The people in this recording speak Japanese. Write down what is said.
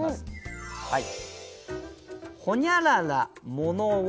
はい。